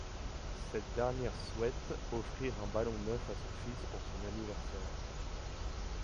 Cette dernière souhaite offrir un ballon neuf à son fils pour son anniversaire.